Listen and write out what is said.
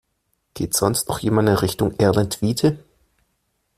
Geht sonst noch jemand in Richtung Erlentwiete?